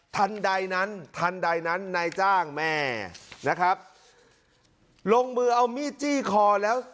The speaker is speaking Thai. ทันใดนั้นทันใดนั้นนายจ้างแม่นะครับลงมือเอามีดจี้คอแล้ว